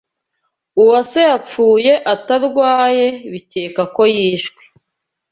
uwase yapfuye atarwaye, bikekwa ko yishwe